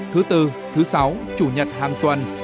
thứ bốn thứ sáu chủ nhật hàng tuần